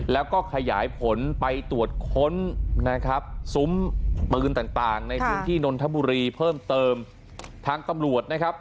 แล้วก็ขยายผลไปตรวจค้นซุ้มปืนต่างในพื้นที่นทบุรีเพิ่มเติมทั้งตำรวจ